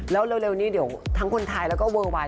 แล้วเร็วนี้เดี๋ยวทั้งคนไทยแล้วก็เวอร์ไวน